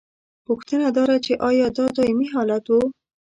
پوښتنه دا ده چې ایا دا دائمي حالت و؟